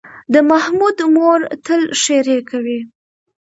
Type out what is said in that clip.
د محمود مور تل ښېرې کوي.